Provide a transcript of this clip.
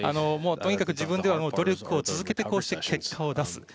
とにかく自分では努力を続けてこうして結果を出す。